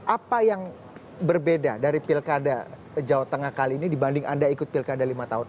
apa yang berbeda dari pilkada jawa tengah kali ini dibanding anda ikut pilkada lima tahun